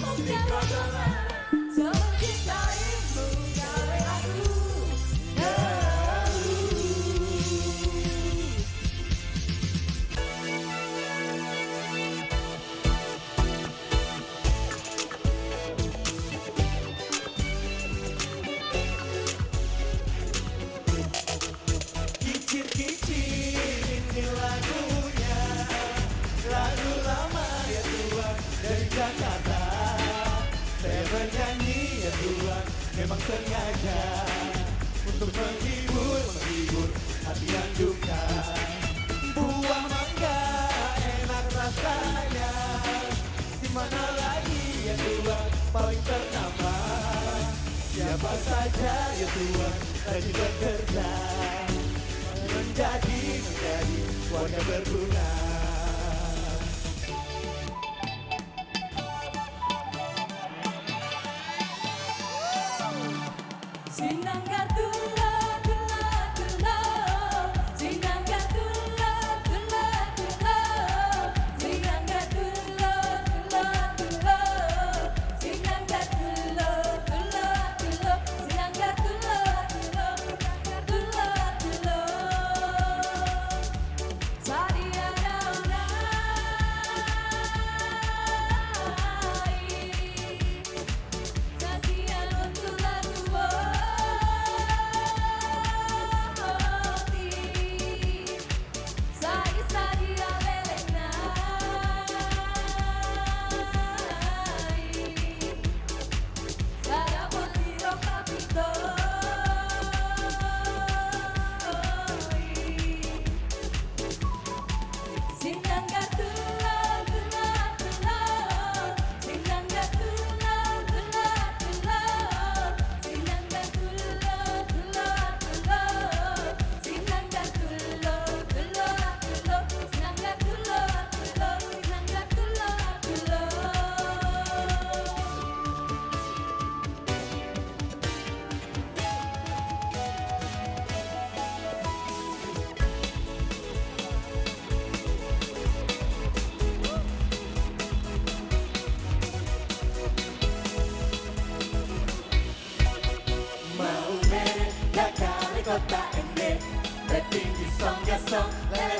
mungkin aku terlalu cinta